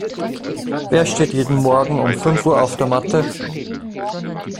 Wer steht jeden Morgen um fünf Uhr auf der Matte?